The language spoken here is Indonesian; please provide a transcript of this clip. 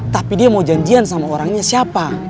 tapi dia mau janjian sama orangnya siapa